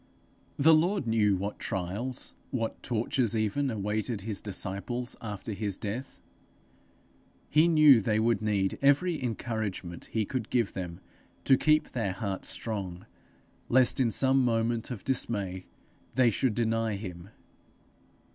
The Lord knew what trials, what tortures even awaited his disciples after his death; he knew they would need every encouragement he could give them to keep their hearts strong, lest in some moment of dismay they should deny him.